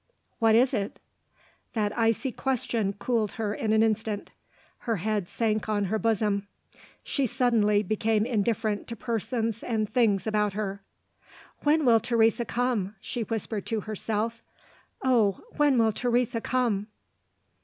"What is it?" That icy question cooled her in an instant: her head sank on her bosom: she suddenly became indifferent to persons and things about her. "When will Teresa come?" she whispered to herself. "Oh, when will Teresa come!"